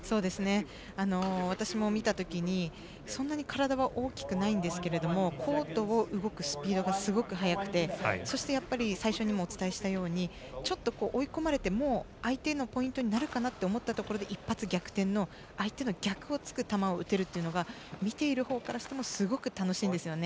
私も見たときにそんなに体は大きくないんですがコートを動くスピードがすごく速くてそしてやっぱり最初にもお伝えしたようにちょっと追い込まれて相手のポイントになるかなと思ったところで一発逆転の相手の逆をつく球を打てるというのが見ているほうからしてもすごく楽しいんですよね。